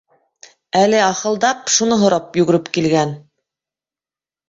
Әле, ахылдап, шуны һорап йүгереп килгән.